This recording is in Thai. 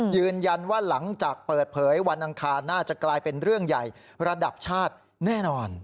ยืนยันว่าหลังจากเปิดเผยวันอังคารน่าจะกลายเป็นเรื่องใหญ่ระดับชาติแน่นอน